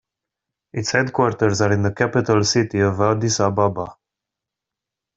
Its headquarters are in the capital city of Addis Ababa.